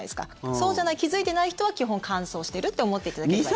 そうじゃない、気付いてない人は基本乾燥してるって思っていただければいいです。